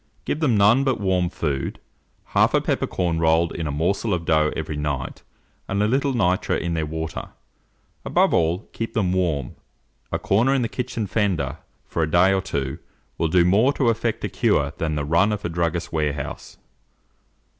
Give them none but warm food, half a peppercorn rolled in a morsel of dough every night, and a little nitre in their water. Above all, keep them warm; a corner in the kitchen fender, for a day or two, will do more to effect a cure than the run of a druggist's warehouse.